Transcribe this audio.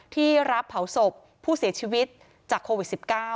ที่รับเผาศพผู้เสียชีวิตจากโควิด๑๙